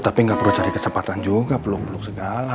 tapi gak perlu cari kesempatan juga peluk peluk segala